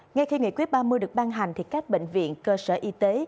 ngay khi nghị quyết ba mươi được ban hành thì các bệnh viện cơ sở y tế